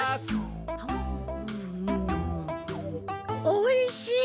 おいしい！